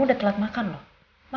bukan kita tak bisa